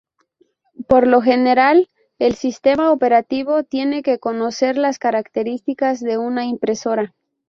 Por lo general, el sistema operativo tiene que conocer las características de una impresora.